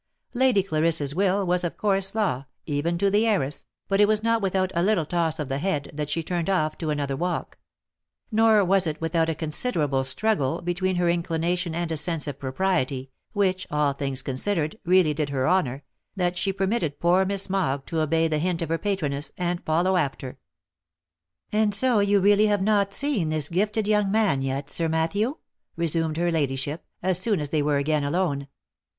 Lady Clarissa's will was of course law, even to the heiress, but it was not without a little toss of the head that she turned ofT to another walk ; nor was it without a considerable struggle between her inclination and a sense of propriety, which, all things consi dered, really did her honour, that she permitted poor Miss Mogg to obey the hint of her patroness, and follow after. " And so you really have not seen this gifted young man yet, Sir Matthew V resumed her ladyship, as soon as they were again alone.